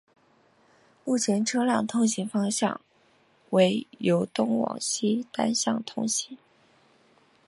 目前车辆通行方向为由东往西单向通行。